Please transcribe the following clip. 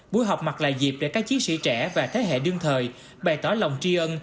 buổi họp mặt là dịp để các chiến sĩ trẻ và thế hệ đương thời bày tỏ lòng tri ân